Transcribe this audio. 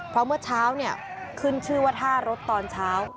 เพราะเมื่อเช้าเนี่ยขึ้นชื่อว่าท่ารถตอนเช้า